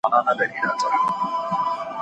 أم المؤمنين عائشة صديقه رضي الله عنها روايت کوي.